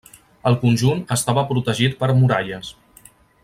El conjunt estava protegit per muralles.